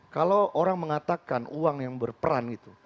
kalau orang mengatakan uang yang berperan gitu